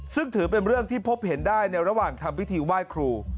ซึ่งถือเป็นเรื่องที่พบเห็นได้ในระหว่างทำพิธีไหว้ครู